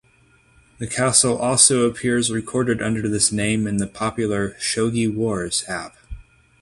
The castle also appears recorded under this name in the popular "Shogi Wars" app.